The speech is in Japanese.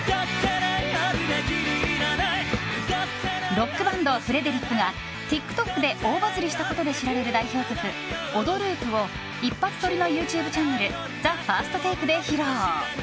ロックバンド、フレデリックがＴｉｋＴｏｋで大バズりしたことで知られる代表曲「オドループ」を一発撮りのＹｏｕＴｕｂｅチャンネル「ＴＨＥＦＩＲＳＴＴＡＫＥ」で披露。